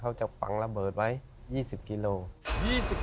เค้าจะปังระเบิดไว้๒๐กิโลกรัม